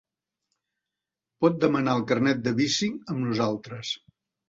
Pot demanar el carnet de bicing amb nosaltres.